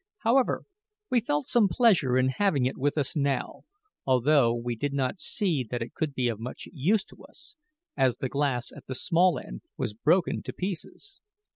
However, we felt some pleasure in having it with us now although we did not see that it could be of much use to us, as the glass at the small end was broken to pieces.